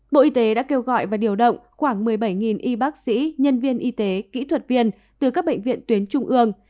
bộ y tế đã kêu gọi và điều động khoảng một mươi bảy y bác sĩ nhân viên y tế kỹ thuật viên từ các bệnh viện tuyến trung ương